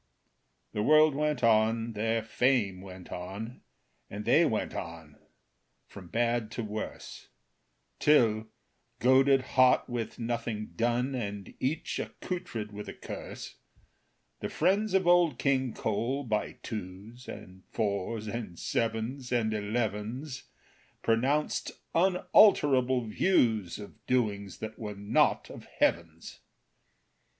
The world went on, their fame went on, And they went on from bad to worse; Till, goaded hot with nothing done, And each accoutred with a curse, The friends of Old King Cole, by twos, And fours, and sevens, and elevens, Pronounced unalterable views Of doings that were not of heaven's.